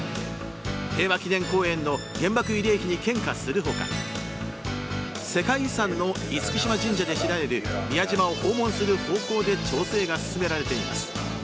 平和記念公園の原爆慰霊碑に献花する他世界遺産の厳島神社で知られる宮島を訪問する方向で調整が進められています。